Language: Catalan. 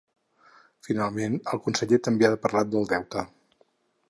Finalment, el conseller també ha parlat del deute.